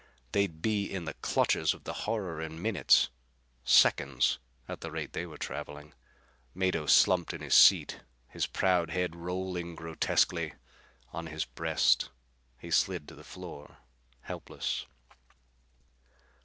They'd be in the clutches of the horror in minutes, seconds, at the rate they were traveling. Mado slumped in his seat, his proud head rolling grotesquely on his breast. He slid to the floor, helpless.